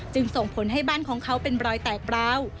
ส่งผลให้บ้านของเขาเป็นรอยแตกร้าว